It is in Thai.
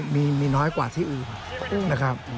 มีน้อยกว่าที่อื่นนะครับ